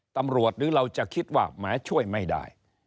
หรือเราจะคิดว่าแหมช่วยไม่ได้